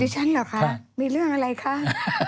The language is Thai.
ดิฉันหรอคะมีเรื่องไรคะ